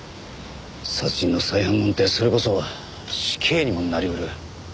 殺人の再犯なんてそれこそ死刑にもなり得る。